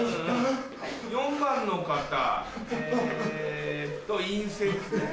４番の方えっと陰性ですね。